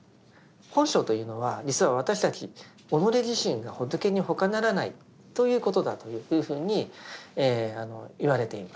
本性というのは実は私たち己自身が仏にほかならないということだというふうにいわれています。